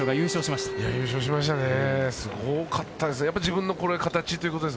すごかったです。